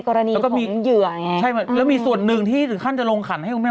ใช่ใช่แล้วมีส่วนนึงที่ค่าจะลงขันให้พวกแม่